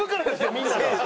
みんなが。